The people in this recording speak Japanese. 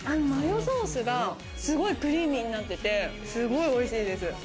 マヨソースがすごいクリーミーになってて、すごいおいしいです。